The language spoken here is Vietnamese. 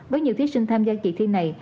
với nhiều thí sinh tham gia kỳ thi này